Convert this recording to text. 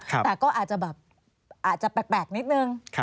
แต่ก็อาจจะแปลกนิดนึง